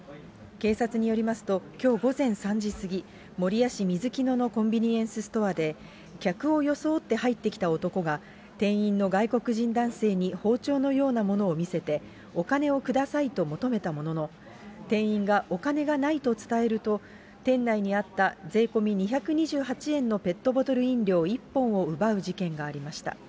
警察によりますと、きょう午前３時過ぎ、守谷市みずきののコンビニエンスストアで、客を装って入ってきた男が、店員の外国人男性に包丁のようなものを見せて、お金をくださいと求めたものの、店員がお金がないと伝えると、店内にあった税込み２２８円のペットボトル飲料１本を奪う事件がありました。